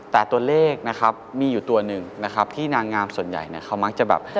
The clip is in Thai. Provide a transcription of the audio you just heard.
แต่ตัวเลขนะครับมีอยู่ตัวหนึ่งนะครับที่นางงามส่วนใหญ่เนี่ยเขามักจะแบบ